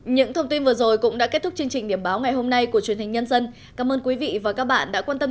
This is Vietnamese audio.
những thông tin vừa rồi cũng đã kết thúc chương trình điểm báo ngày hôm nay của truyền hình nhân dân